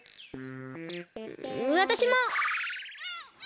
わたしも！